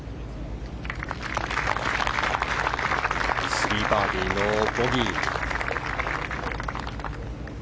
３バーディーノーボギー。